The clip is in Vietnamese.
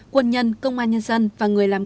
quân nhân công an nhân dân và người làm công